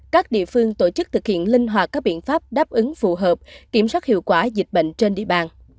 các địa phương tổ chức thực hiện linh hoạt các biện pháp đáp ứng phù hợp kiểm soát hiệu quả dịch bệnh trên địa bàn